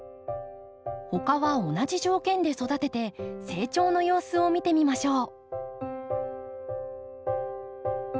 他は同じ条件で育てて成長の様子を見てみましょう。